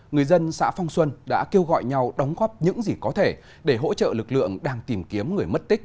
người dân xã phong xuân đã kêu gọi nhau đóng góp những gì có thể để hỗ trợ lực lượng đang tìm kiếm người mất tích